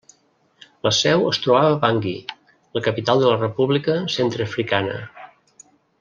La seu es trobava a Bangui, la capital de la República Centreafricana.